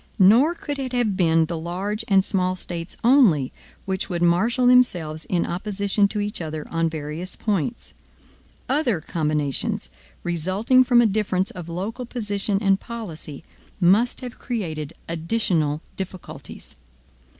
Nor could it have been the large and small States only, which would marshal themselves in opposition to each other on various points. Other combinations, resulting from a difference of local position and policy, must have created additional difficulties.